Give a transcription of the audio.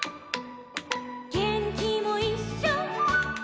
「げんきもいっしょ」